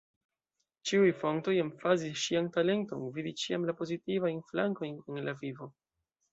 Ĉiuj fontoj emfazis ŝian talenton vidi ĉiam la pozitivajn flankojn en la vivo.